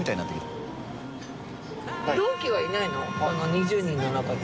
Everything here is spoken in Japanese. ２０人の中で。